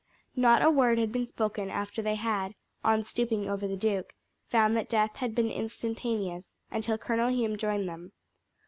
Not a word had been spoken after they had, on stooping over the duke, found that death had been instantaneous, until Colonel Hume joined them.